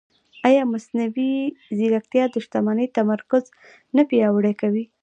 ایا مصنوعي ځیرکتیا د شتمنۍ تمرکز نه پیاوړی کوي؟